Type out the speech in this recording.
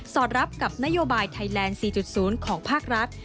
อดรับกับนโยบายไทยแลนด์๔๐ของภาครัฐ